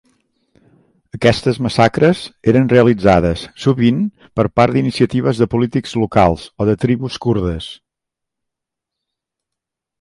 Aquestes massacres eren realitzades, sovint, per part d'iniciatives de polítics locals o de tribus kurdes.